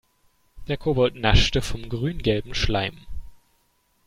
Der Kobold naschte vom grüngelben Schleim.